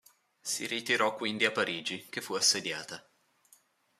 Si ritirò quindi a Parigi, che fu assediata.